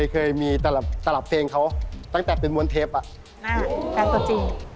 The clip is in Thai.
เคยมีตลับเพลงเขาตั้งแต่เป็นมวลเทปแฟนตัวจริง